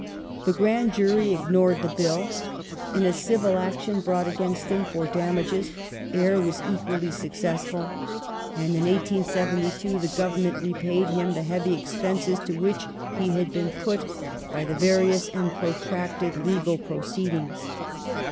The Grand Jury ignored the Bill. In a civil action brought against him for damages Eyre was equally successful, and in 1872 the Government repaid him the heavy expenses to which he had been put by the various and protracted legal proceedings.